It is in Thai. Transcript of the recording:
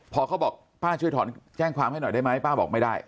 พอเขาบอกป้าช่วยถอนแจ้งความให้หน่อยได้ไหมป้าบอกไม่ได้